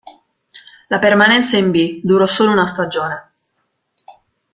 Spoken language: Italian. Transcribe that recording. La permanenza in B durò solo una stagione.